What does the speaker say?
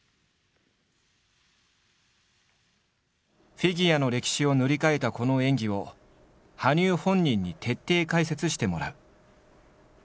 フィギュアの歴史を塗り替えたこの演技を羽生本人に徹底解説してもらう。